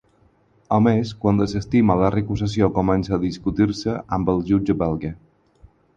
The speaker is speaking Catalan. A més, quan desestima la recusació comença a discutir-se amb el jutge belga.